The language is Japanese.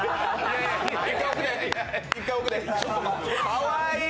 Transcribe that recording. かわいい！